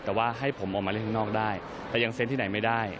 แต่ว่าให้ผมออกมาเล่นข้างนอกได้แต่ยังเซ็นที่ไหนไม่ได้